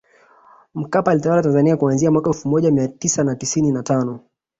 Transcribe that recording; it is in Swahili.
Mkapa aliitawala Tanzania kuanzia mwaka elfu moja mia tisa na tisini na tano